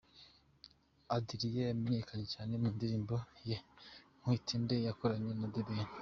Adrien yamenyekanye cyane mu ndirimbo ye Nkwite nde yakoranye na The Ben.